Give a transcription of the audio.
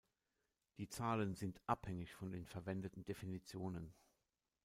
Die Zahlen sind abhängig von den verwendeten Definitionen.